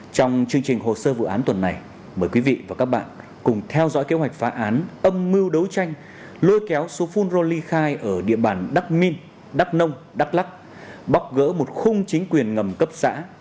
trong chương trình hồ sơ vụ án tuần này mời quý vị và các bạn cùng theo dõi kế hoạch phá án âm mưu đấu tranh lôi kéo supul roli khai ở địa bàn đắc minh đắk nông đắk lắc bóc gỡ một khung chính quyền ngầm cấp xã